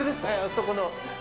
そこの。